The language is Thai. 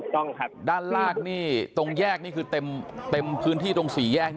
ท่านลากตรงแยกนี่คือเต็มพื้นที่ตรง๔แยก